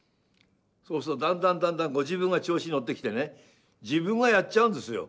そうするとだんだんだんだんご自分が調子に乗ってきてね自分がやっちゃうんですよ。